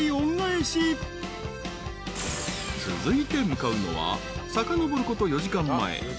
［続いて向かうのはさかのぼること４時間前］